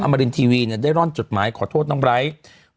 ออมรินทีวีได้ร่อนจดหมายขอโทษตร้องไบร์ส